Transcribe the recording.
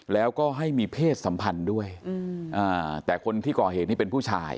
แล้วก็ให้มีเพศสัมพันธ์ด้วยแต่คนที่ก่อเหตุนี่เป็นผู้ชาย